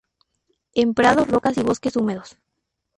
En prados rocas y bosques húmedos.